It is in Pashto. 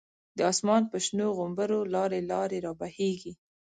د آسمان په شنو غومبرو، لاری لاری رابهیږی